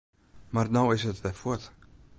Mar no is it wer fuort.